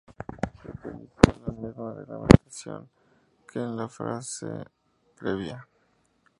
Se utilizó la misma reglamentación que en la fase previa.